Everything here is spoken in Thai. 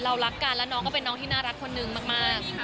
รักกันแล้วน้องก็เป็นน้องที่น่ารักคนนึงมาก